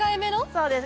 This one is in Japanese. そうです